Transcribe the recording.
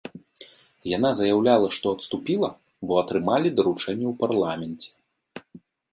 Яна заяўляла, што адступіла, бо атрымалі даручэнне ў парламенце.